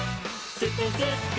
すってんすっく！」